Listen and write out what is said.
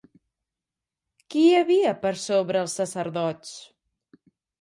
Qui hi havia per sobre els sacerdots?